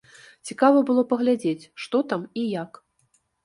Цікава было паглядзець, што там і як.